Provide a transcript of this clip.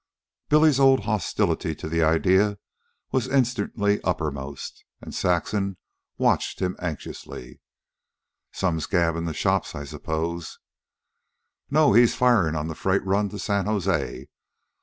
Billy's old hostility to the idea was instantly uppermost, and Saxon watched him anxiously. "Some scab in the shops, I suppose?" "No; he's firing on the freight run to San Jose.